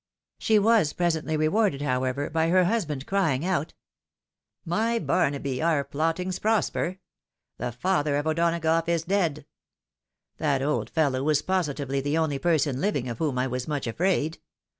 She was presently rewarded, however, by her husband crying out, " My Bamaby !— our plottings prosper ! The father of O'Donagough is dead. That old feUow was positively the only person living of whom I was much afraid.